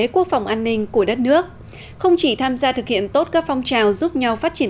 quốc phòng an ninh của đất nước không chỉ tham gia thực hiện tốt các phong trào giúp nhau phát triển